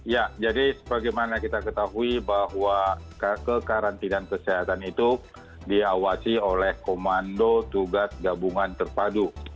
ya jadi sebagaimana kita ketahui bahwa kekarantinaan kesehatan itu diawasi oleh komando tugas gabungan terpadu